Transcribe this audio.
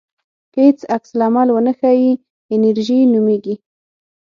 که هیڅ عکس العمل ونه ښیې انېرژي نومېږي.